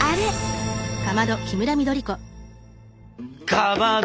かまど！